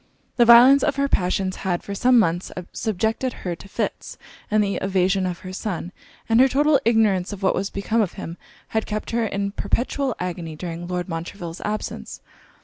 The violence of her passions had, for some months, subjected her to fits; and the evasion of her son, and her total ignorance of what was become of him, had kept her in perpetual agony during Lord Montreville's absence.